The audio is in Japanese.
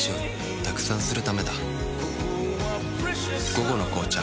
「午後の紅茶」